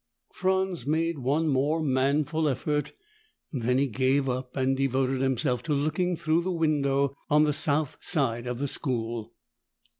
Franz made one more manful effort. Then he gave up and devoted himself to looking through the window on the south side of the school.